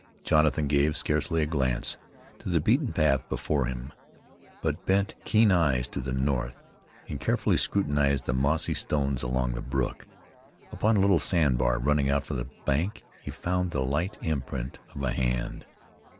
Jonathan gave scarcely a glance to the beaten path before him; but bent keen eyes to the north, and carefully scrutinized the mossy stones along the brook. Upon a little sand bar running out from the bank he found the light imprint of a hand.